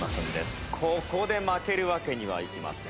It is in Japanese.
ここで負けるわけにはいきません。